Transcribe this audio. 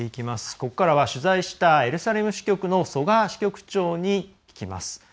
ここからは取材したエルサレム支局の曽我支局長に聞きます。